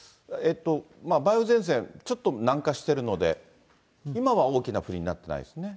梅雨前線、ちょっと南下してるので、今は大きな降りになってないですね。